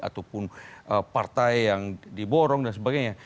ataupun partai yang diborong dan sebagainya